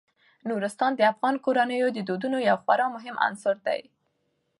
نورستان د افغان کورنیو د دودونو یو خورا مهم عنصر دی.